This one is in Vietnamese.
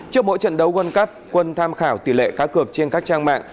trước mỗi trận đấu world cup quân tham khảo tỷ lệ cá cược trên các trang mạng